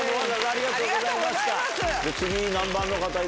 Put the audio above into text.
ありがとうございます。